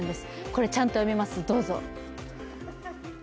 これ、ちゃんと読みますどうぞ。